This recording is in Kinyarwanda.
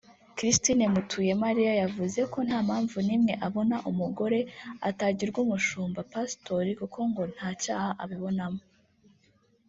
Christine Mutuyemariya yavuze ko nta mpamvu n’imwe abona umugore atagirwa umushumba (Pasitori) kuko ngo nta cyaha abibonamo